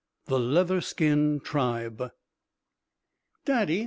IV THE LEATHERSKIN TRIBE "Daddy!"